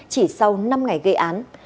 chỉ sau năm ngày gây án